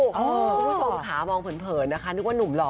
คุณผู้ชมค่ะมองเผินนะคะนึกว่าหนุ่มหล่อ